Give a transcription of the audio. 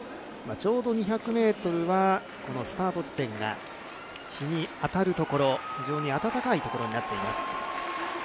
ちょうど２００ｍはスタート地点が日に当たる所非常に暖かいところになっています。